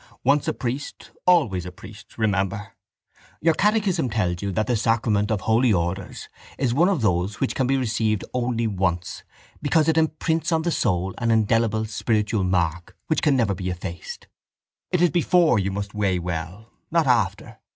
Once a priest always a priest, remember. Your catechism tells you that the sacrament of Holy Orders is one of those which can be received only once because it imprints on the soul an indelible spiritual mark which can never be effaced. It is before you must weigh well, not after.